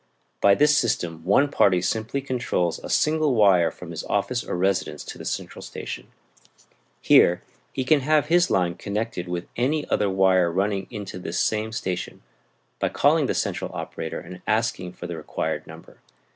By this system one party simply controls a single wire from his office or residence to the central station; here he can have his line connected with any other wire running into this same station, by calling the central operator and asking for the required number.